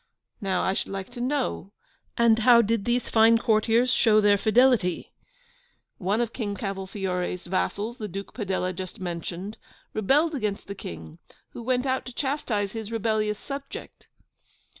Now, I should like to know, and how did these fine courtiers show their fidelity? One of King Cavolfiore's vassals, the Duke Padella just mentioned, rebelled against the King, who went out to chastise his rebellious subject.